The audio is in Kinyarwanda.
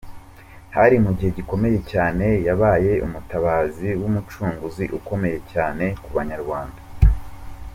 Hari mu gihe gikomeye cyane, yabaye Umutabazi w’Umucunguzi ukomeye cyane ku Banyarwanda.